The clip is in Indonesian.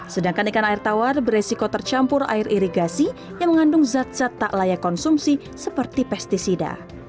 sedangkan ikan air tawar beresiko tercampur air irigasi yang mengandung zat zat tak layak konsumsi seperti pesticida